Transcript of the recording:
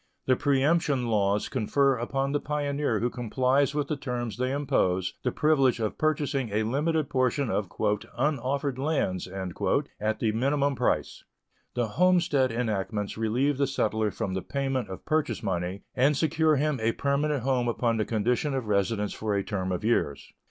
The preemption laws confer upon the pioneer who complies with the terms they impose the privilege of purchasing a limited portion of "unoffered lands" at the minimum price. The homestead enactments relieve the settler from the payment of purchase money, and secure him a permanent home upon the condition of residence for a term of years.